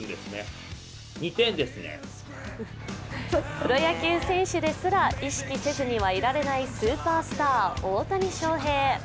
プロ野球選手ですら意識せずにはいられないスーパースター・大谷翔平。